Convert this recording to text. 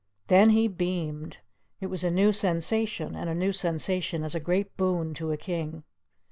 Then he beamed. It was a new sensation, and a new sensation is a great boon to a king.